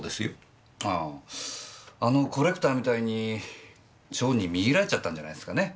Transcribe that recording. あああのコレクターみたいに蝶に魅入られちゃったんじゃないっすかね。